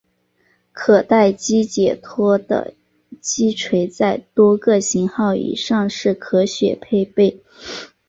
可待击解脱的击锤在多个型号以上是可选配备。